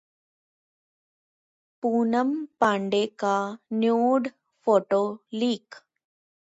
पूनम पांडे का nude photo leak